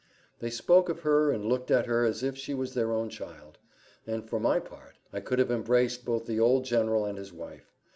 They spoke of her, and looked at her, as if she was their own child; and for my part, I could have embraced both the old general and his wife.